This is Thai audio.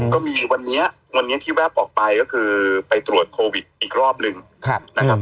ก็มีวันนี้วันนี้ที่แป๊บออกไปก็คือไปตรวจโควิดอีกรอบหนึ่งนะครับ